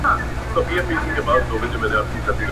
خو زه به بیا هم تر لمني انسان و نه نیسم.